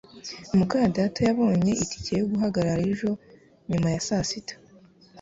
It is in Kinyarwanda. muka data yabonye itike yo guhagarara ejo nyuma ya saa sita